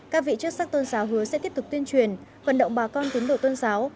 các vị chức sắc tôn giáo hứa sẽ tiếp tục tuyên truyền vận động bà con tín đồ tôn giáo